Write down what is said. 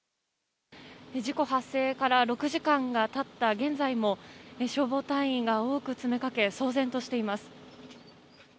事故発生から６時間が経った現在も消防隊員が多く詰めかけ騒然としています。